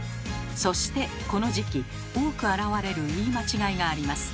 そしてこの時期多く現れる言い間違いがあります。